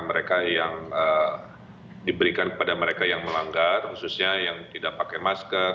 mereka yang diberikan kepada mereka yang melanggar khususnya yang tidak pakai masker